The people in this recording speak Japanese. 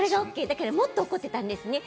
だからもっと怒っていたんですね。